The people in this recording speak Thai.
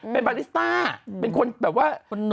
เป็นบาริสต้าเป็นคนแบบว่า